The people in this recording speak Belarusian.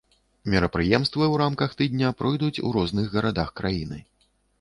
Мерапрыемствы ў рамках тыдня пройдуць у розных гарадах краіны.